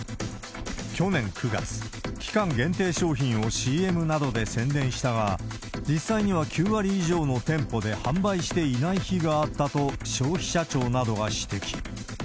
去年９月、期間限定商品をＣＭなどで宣伝したが、実際には９割以上の店舗で販売していない日があったと、消費者庁などが指摘。